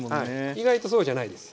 意外とそうじゃないです。